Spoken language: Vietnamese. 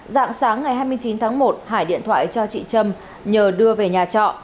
dạng sáng ngày hai mươi chín tháng một hải điện thoại cho chị trâm nhờ đưa về nhà trọ